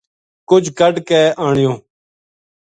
کجھ کڈھ کے آنیو